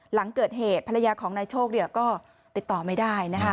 หลังเกิดเหตุภรรยาของนายโชคก็ติดต่อไม่ได้